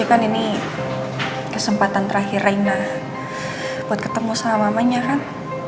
kan ini kesempatan terakhir raina buat ketemu sama mamanya kan